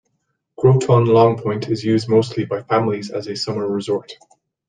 Groton Long Point is used mostly by families as a summer resort.